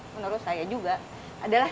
menurut saya juga adalah